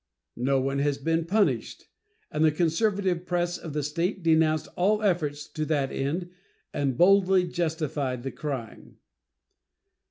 No one has been punished, and the conservative press of the State denounced all efforts to that end and boldly justified the crime.